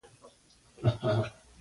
سټیفن هاکینګ وایي ژوند هیله او امید دی.